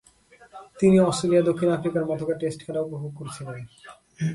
তিনি অস্ট্রেলিয়া-দক্ষিণ আফ্রিকার মধ্যকার টেস্ট খেলা উপভোগ করছিলেন।